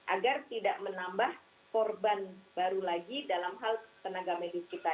agar tidak menambah korban baru lagi dalam hal tenaga medis kita